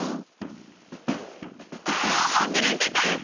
あわすれてた！